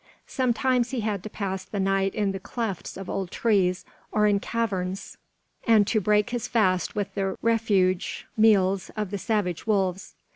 Sometimes he had to pass the night in the clefts of old trees or in caverns, and to break his fast with the refuse meals of the savage wolves.